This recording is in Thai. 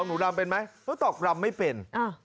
หนูตอบลำไม่เป็น